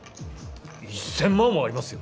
１，０００万はありますよ。